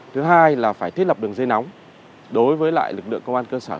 thứ hai là phải thiết lập đường dây nóng đối với lại lực lượng công an cơ sở